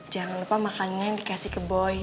jangan lupa makannya dikasih ke boy